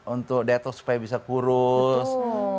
untuk detox supaya bisa kurus